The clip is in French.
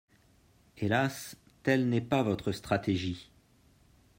Hélas, telle n’est pas votre stratégie.